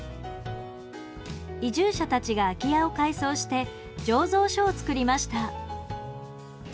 移住者たちが空き家を改装して醸造所を造りました。